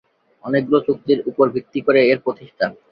অনেকগুলো চুক্তির উপর ভিত্তি করে এর প্রতিষ্ঠা।